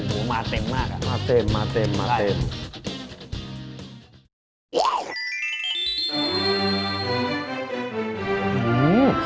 โหมาเต็มมากมาเต็ม